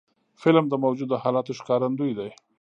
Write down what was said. فلم د موجودو حالاتو ښکارندوی دی